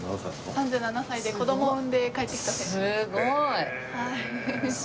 ３７歳で子どもを産んで帰ってきた選手です。